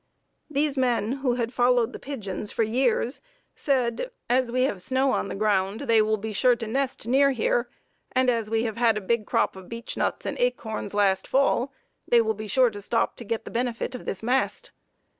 These men, who had followed the pigeons for years, said, "As we have snow on the ground they will be sure to nest near here, and as we have had a big crop of beech nuts and acorns last fall they will be sure to stop to get the benefit of this mast."